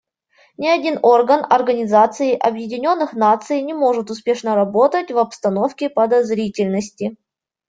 Ни один орган Организации Объединенных Наций не может успешно работать в обстановке подозрительности.